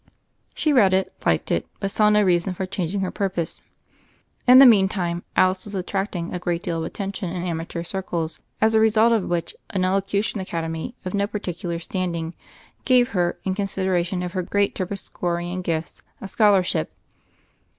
She read it, liked it, but saw no reason for changing her purpose. In the meantime Alice was attracting a great deal of attention in amateur circles, as a result of which an elocution academy of no particular standing gave her, in consideration of her "great Terpsichorean gifts," a scholarship.